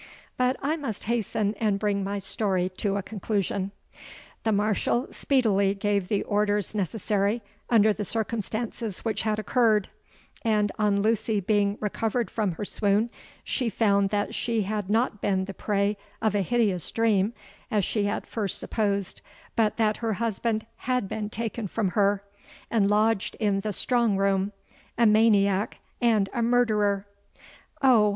But I must hasten and bring my story to a conclusion. The Marshal speedily gave the orders necessary under the circumstances which had occurred; and, on Lucy being recovered from her swoon, she found that she had not been the prey of a hideous dream, as she at first supposed—but that her husband had been taken from her, and lodged in the strong room—a maniac and a murderer! Oh!